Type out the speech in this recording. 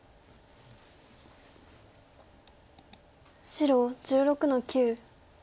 白１６の九。